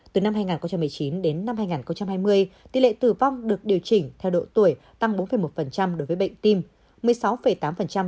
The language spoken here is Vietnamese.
từ năm hai nghìn một mươi chín đến năm hai nghìn hai mươi tỷ lệ tử vong được điều chỉnh theo độ tuổi tăng bốn một đối với bệnh tim